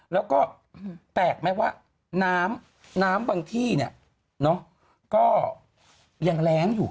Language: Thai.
แล้วก็แปลกไหมว่าน้ำบางที่เนี่ยก็ยังแรงอยู่